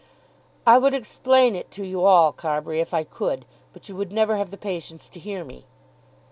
"I would explain it to you all, Carbury, if I could. But you would never have the patience to hear me."